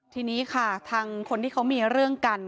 ทีนี้ค่ะทางคนที่เขามีเรื่องกัน